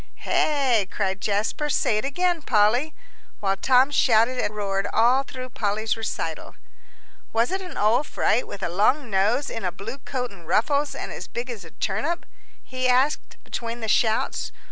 "Hey?" cried Jasper. "Say it again, Polly," while Tom shouted and roared all through Polly's recital. "Was it an old fright with a long nose in a blue coat and ruffles, and as big as a turnip?" he asked between the shouts.